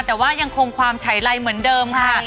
แต่ว่ายังคงความฉายไรเหมือนเดิมค่ะ